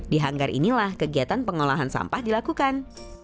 di hanggar inilah kegiatan pengolahan sampah dilakukan